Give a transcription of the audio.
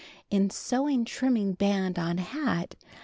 In sewing trimming band on hat.